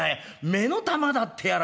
目の玉だってやら。